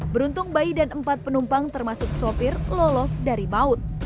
beruntung bayi dan empat penumpang termasuk sopir lolos dari baut